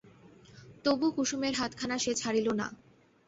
তবু কুসুমের হাতখানা সে ছাড়িল না।